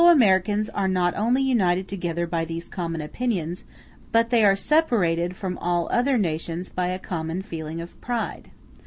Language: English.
] The Anglo Americans are not only united together by these common opinions, but they are separated from all other nations by a common feeling of pride.